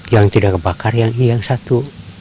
yang tidak kebakar yang ini yang satu